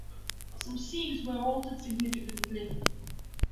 Some scenes were altered significantly.